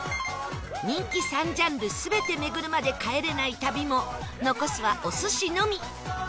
人気３ジャンル全て巡るまで帰れない旅も残すはお寿司のみ